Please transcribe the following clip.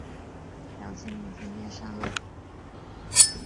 良心能分辨善恶。